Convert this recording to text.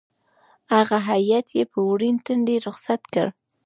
هغه هېئت یې په ورین تندي رخصت کړ.